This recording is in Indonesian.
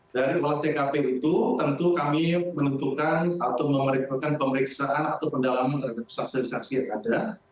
dari olah tkp itu tentu kami menentukan atau memeriksakan pemeriksaan atau pendalaman terhadap saksi saksi yang ada